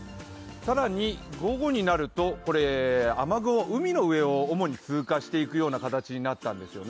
更に午後になると、雨雲、海の上を主に通過していくような形になったんですよね。